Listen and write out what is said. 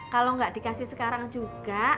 kalau nggak dikasih sekarang juga